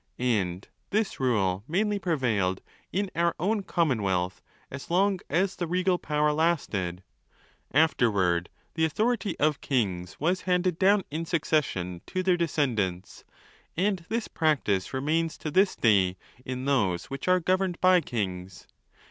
(And this rule mainly prevailed in our own commonwealth, as long as the regal power lasted.) Afterward, the authority of kings was handed down in succession to their descendants, and this practice remains to this day in those which are governed by kings.